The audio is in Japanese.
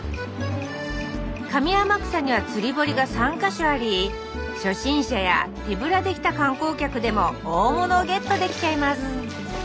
上天草には釣堀が３か所あり初心者や手ぶらで来た観光客でも大物をゲットできちゃいます